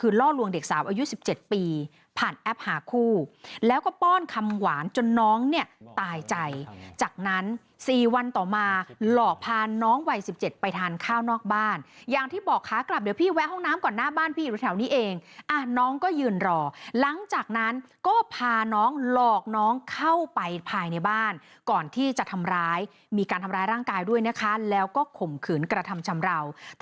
คือล่อลวงเด็กสาวอายุ๑๗ปีผ่านแอปหาคู่แล้วก็ป้อนคำหวานจนน้องเนี่ยตายใจจากนั้น๔วันต่อมาหลอกพาน้องวัย๑๗ไปทานข้าวนอกบ้านอย่างที่บอกขากลับเดี๋ยวพี่แวะห้องน้ำก่อนหน้าบ้านพี่อยู่แถวนี้เองอ่ะน้องก็ยืนรอหลังจากนั้นก็พาน้องหลอกน้องเข้าไปภายในบ้านก่อนที่จะทำร้ายมีการทำร้ายร่างกายด้วยนะคะแล้วก็ข่มขืนกระทำชำราว